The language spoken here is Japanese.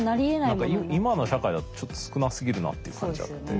何か今の社会だとちょっと少なすぎるなっていう感じあって。